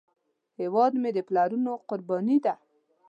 هیواد مې د پلرونو قرباني ده